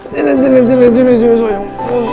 jangan jangan jangan jangan jangan sayang